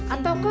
atau kok tidak